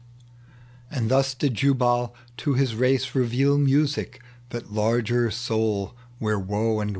And thus did Jubal to his race reveal Music their laiger sool, where woe and weal